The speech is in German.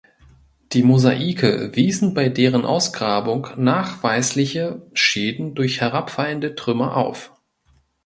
Die Mosaike wiesen bei deren Ausgrabung nachweisliche Schäden durch herabfallende Trümmer auf.